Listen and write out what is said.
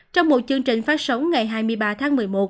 trong một chương trình phát sóng ngày hai mươi ba tháng một mươi một